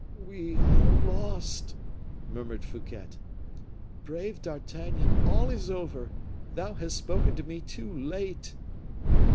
"We are lost!" murmured Fouquet. "Brave D'Artagnan, all is over, thou has spoken to me too late!"